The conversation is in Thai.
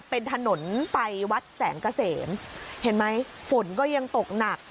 เป็นถนนไปวัดแสนเกษมเห็นไหมฝนก็ยังตกหนัก